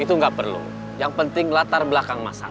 itu nggak perlu yang penting latar belakang masa